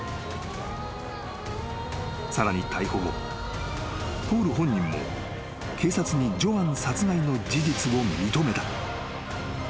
［さらに逮捕後ポール本人も警察にジョアン殺害の事実を認めた］